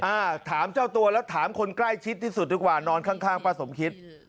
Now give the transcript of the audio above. อ่าถามเจ้าตัวแล้วถามคนใกล้ชิดที่สุดดีกว่านอนข้างข้างป้าสมคิด